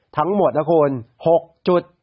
ทั้งหมด๖จุด